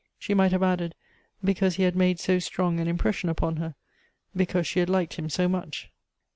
She might have added, because he had made so strong an impression upon her — because she had liked him so much.